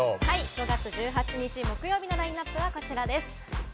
５月１８日木曜日のラインアップはこちらです。